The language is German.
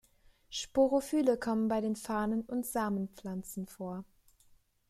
Sporophylle kommen bei den Farnen und Samenpflanzen vor.